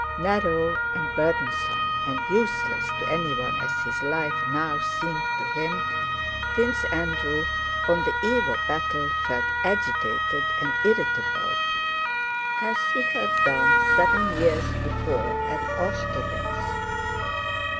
Narrow and burdensome and useless to anyone as his life now seemed to him, Prince Andrew on the eve of battle felt agitated and irritable as he had done seven years before at Austerlitz.